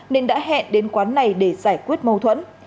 nên đã hẹn đến quán này để giải quyết mâu thuẫn